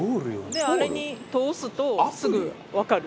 あれに通すとすぐわかる。